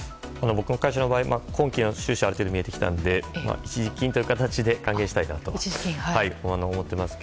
僕の会社の場合今期の収支は見えてきたので一時金という形で還元したいなと思っています。